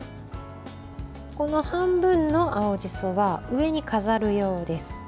この半分の青じそは上に飾る用です。